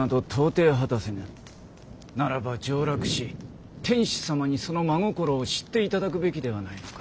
ならば上洛し天子様にその真心を知っていただくべきではないのか。